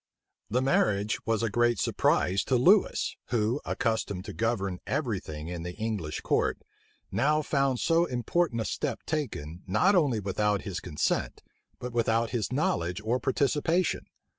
This marriage was a great surprise to Lewis, who, accustomed to govern every thing in the English court, now found so important a step taken, not only without his consent, but without his knowledge or participation.